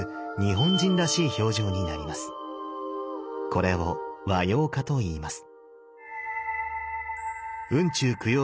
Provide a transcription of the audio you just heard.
これを「和様化」と言います。